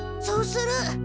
そうする。